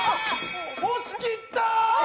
押し切った！